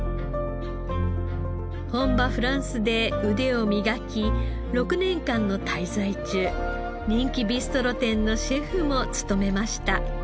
本場フランスで腕を磨き６年間の滞在中人気ビストロ店のシェフも務めました。